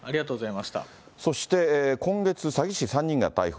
そして、今月、詐欺師３人が逮捕。